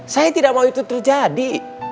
saya tidak mau itu terjadi